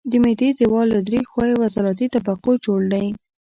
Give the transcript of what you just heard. د معدې دېوال له درې ښویو عضلاتي طبقو جوړ دی.